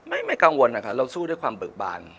ไม่กังวลนะคะเราสู้ด้วยความเบิกบาน